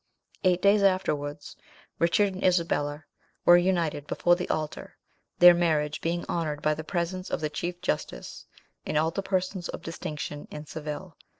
Eight days afterwards, Richard and Isabella were united before the altar, their marriage being honoured by the presence of the chief justice, and all the persons of distinction in Seville.